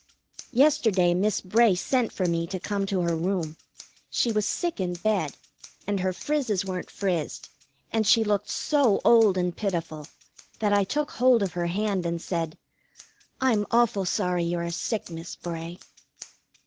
Yesterday Miss Bray sent for me to come to her room. She was sick in bed, and her frizzes weren't frizzed, and she looked so old and pitiful that I took hold of her hand and said, "I'm awful sorry you are sick, Miss Bray."